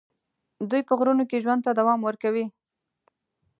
دوی په غرونو کې ژوند ته دوام ورکوي.